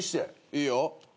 いいよ。